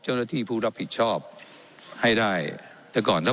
เจ้าหน้าที่ของรัฐมันก็เป็นผู้ใต้มิชชาท่านนมตรี